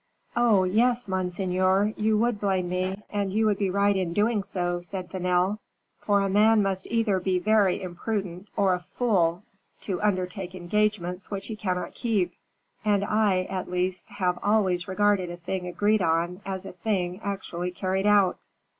"Oh, yes, monseigneur, you would blame me, and you would be right in doing so," said Vanel; "for a man must either be very imprudent, or a fool, to undertake engagements which he cannot keep; and I, at least, have always regarded a thing agreed on as a thing actually carried out."